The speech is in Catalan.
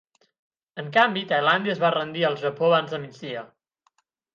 En canvi, Tailàndia es va rendir al Japó abans de migdia.